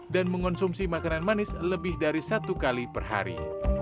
dan mengonsumsi makanan manis lebih dari satu kali per hari